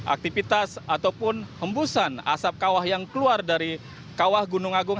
aktivitas ataupun hembusan asap kawah yang keluar dari kawah gunung agung